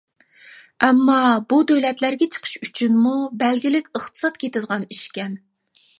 ئەمما بۇ دۆلەتلەرگە چىقىش ئۈچۈنمۇ بەلگىلىك ئىقتىساد كېتىدىغان ئىشكەن.